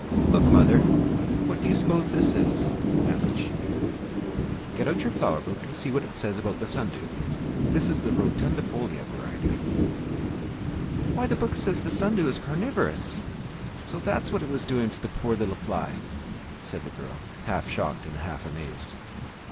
"Look, mother, what do you suppose this is?" asked she. "Get out your flower book and see what it says about the sun dew; this is the rotundifolia variety." "Why, the book says that the sun dew is carnivorous! So that is what it was doing to the poor little fly?" said the girl, half shocked and half amazed.